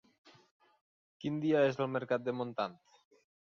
Quin dia és el mercat de Montant?